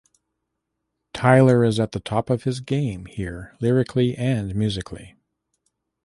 Tyler is at the top of his game here lyrically and musically.